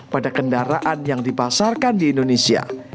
pada kendaraan yang dipasarkan di indonesia